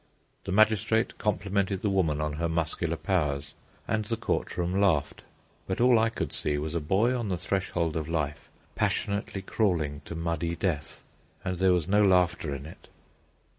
The magistrate complimented the woman on her muscular powers, and the court room laughed; but all I could see was a boy on the threshold of life, passionately crawling to muddy death, and there was no laughter in it.